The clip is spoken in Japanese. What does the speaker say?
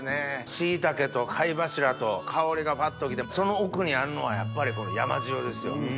シイタケと貝柱と香りがフワっときてその奥にあるのはやっぱりこの山塩ですよ。